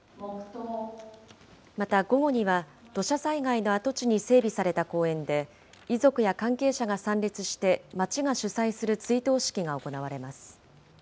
また午後には、土砂災害の跡地に整備された公園で、遺族や関係者が参列して町が主催する追悼式が行われます。